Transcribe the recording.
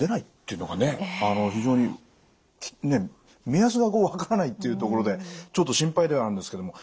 目安が分からないというところでちょっと心配ではあるんですけども。